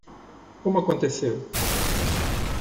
Como aconteceu?